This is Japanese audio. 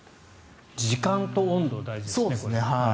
時間と温度が大事ですね。